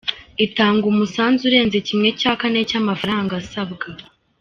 Itanga umusanzu urenze kimwe cya kane cy'amafaranga asabwa.